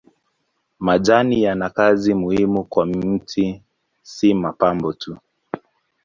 Majani yana kazi muhimu kwa mti si mapambo tu.